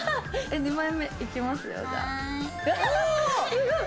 すごい！